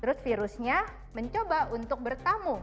terus virusnya mencoba untuk bertamu